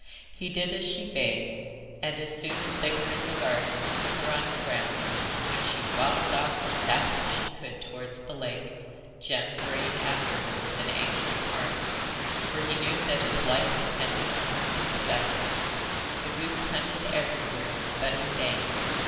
He did as she bade, and as soon as they were in the garden put her on the ground, when she waddled off as fast as she could towards the lake, Jem hurrying after her with an anxious heart, for he knew that his life depended on her success. The goose hunted everywhere, but in vain.